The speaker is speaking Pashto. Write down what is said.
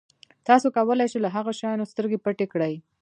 تاسو کولای شئ له هغه شیانو سترګې پټې کړئ.